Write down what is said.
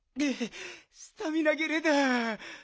スタミナぎれだん？